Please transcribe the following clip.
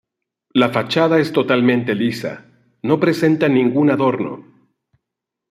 La fachada es totalmente lisa; no presenta ningún adorno.